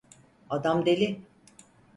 Adam deli.